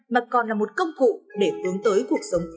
mà còn là một công cụ để tướng tới cuộc sống ý nghĩa hơn